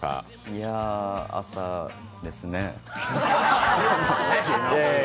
いやぁ、朝ですね。